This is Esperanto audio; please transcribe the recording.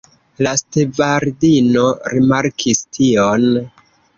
La stevardino rimarkis tion.